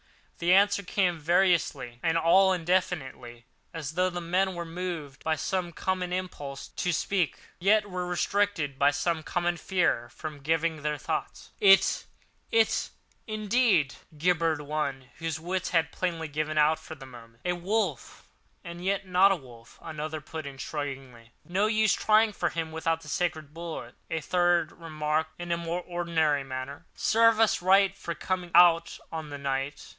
The answer came variously and all indefinitely as though the men were moved by some common impulse to speak, yet were restrained by some common fear from giving their thoughts. "It—it—indeed!" gibbered one, whose wits had plainly given out for the moment. "A wolf—and yet not a wolf!" another put in shudderingly. "No use trying for him without the sacred bullet," a third remarked in a more ordinary manner. "Serve us right for coming out on this night!